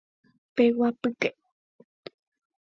Peguapýke.